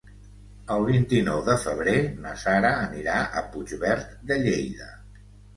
El vint-i-nou de febrer na Sara anirà a Puigverd de Lleida.